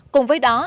cùng với đó